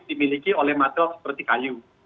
dimiliki oleh material seperti kayu